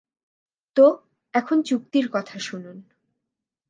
তো, এখন চুক্তির কথা শুনুন।